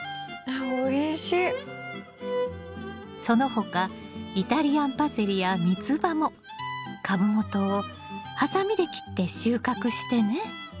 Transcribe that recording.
その他イタリアンパセリやミツバも株元をハサミで切って収穫してね。